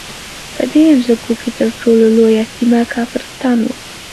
په دې مځکو کې تر ټولو لویه سیمه کافرستان وو.